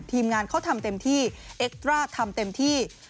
ทีมงานเขาทำเต็มที่เอ็กตราทำเต็มที่